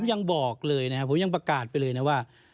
ผมยังบอกเลยนะครับผมยังประกาศไปเลยนะว่า